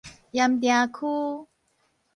鹽埕區